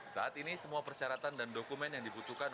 saat ini semua persyaratan dan dokumen yang dibutuhkan